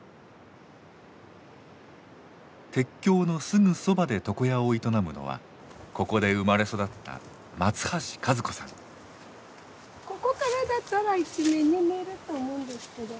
鉄橋のすぐそばで床屋を営むのはここで生まれ育ったここからだったら一面に見えると思うんですけど。